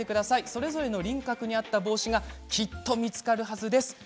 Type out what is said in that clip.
それぞれの輪郭に合った帽子がきっと見つかるはずです。